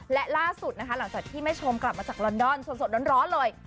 และล่าสุดนะคะหลังจากที่แม่ชมกลับมาจากลอนดอนสดร้อนเลย